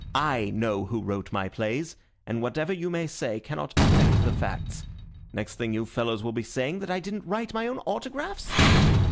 I know who wrote my plays, and whatever you may say cannot affect the facts. Next thing you fellows will be saying that I didn't write my own autographs?"